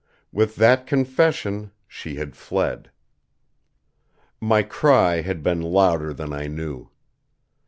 With that confession she had fled. My cry had been louder than I knew.